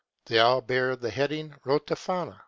They all bear the heading Rote Fahne